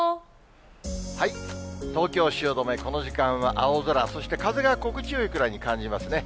東京・汐留、この時間は青空、そして風が心地よいくらいに感じますね。